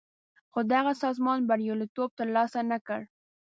خو دغه سازمان بریالیتوب تر لاسه نه کړ.